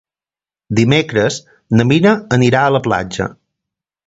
Dimecres na Mira irà a la platja.